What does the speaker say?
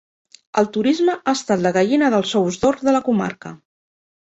El turisme ha estat la gallina dels ous d'or de la comarca.